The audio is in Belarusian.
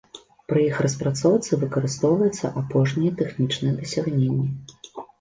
Пры іх распрацоўцы выкарыстоўваюцца апошнія тэхнічныя дасягненні.